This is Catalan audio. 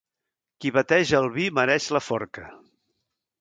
Qui bateja el vi mereix la forca.